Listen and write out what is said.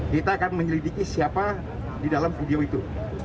kita akan menyelidiki siapa di dalam video itu